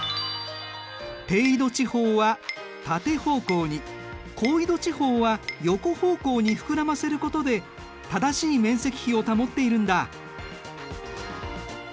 低緯度地方は縦方向に高緯度地方は横方向に膨らませることで正しい面積比を保っているんだ。